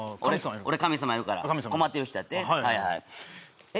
俺神様やるから困ってる人やってえっ